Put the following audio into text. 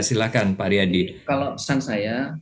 silakan pak ariyadi kalau pesan saya